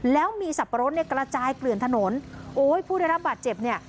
แล้วมีสับปะรดเนี่ยกระจายเกลื่อนถนนโอ้ยผู้ได้รับบาดเจ็บเนี่ย